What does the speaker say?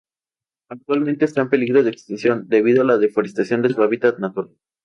Actualmente está en peligro de extinción debido a la deforestación de su hábitat natural.